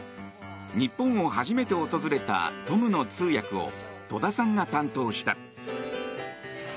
日本を初めて訪れたトムの通訳を戸田さんが担当した。